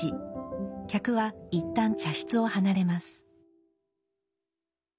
客はいったん茶室を離れます。